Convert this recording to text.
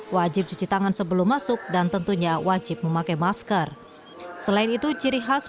wajib cuci tangan sebelum masuk dan tentunya wajib memakai masker selain itu ciri khas